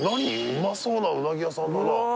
うまそうなうなぎ屋さんだなうわ